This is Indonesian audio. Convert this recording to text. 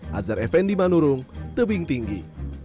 hazar effendi manurung tebing tinggi